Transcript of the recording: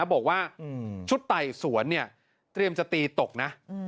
บอกว่าชุดไต่สวนเตรียมจะตีตกนะ